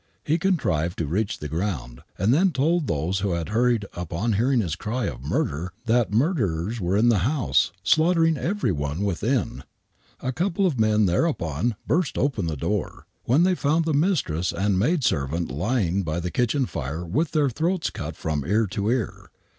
He contrived to reach the ground, and then told those who had hurried up on hearing his cry of " Murder !" that murderers were in the house, slaughtering every one within. A couple of men thereupon burst open the door, when they found the mistress and maid servant lying by the kitchen fire with their throats cut from ear to ear.